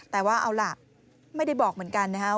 แต่ว่าเอาล่ะไม่ได้บอกเหมือนกันนะครับ